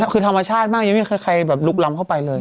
คือธรรมชาติมากยังไม่มีใครแบบลุกล้ำเข้าไปเลย